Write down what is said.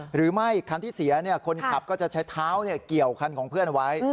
หรือไม่คันที่เสียคนขับก็จะใช้เท้าเกี่ยวคันของเพื่อนไว้